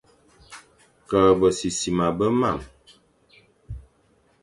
Ke besisima be marne,